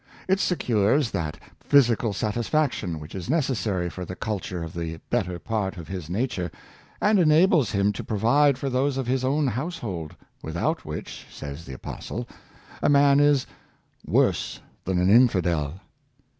It secures that physical satisfaction which is necessary for the culture of the better part of his nature, and enables him to provide for those of his own household, without which, says the apostle, a man is " worse than an infidel.